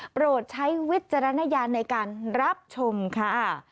โปรดใช้วิจารณญาณในการรับชมค่ะ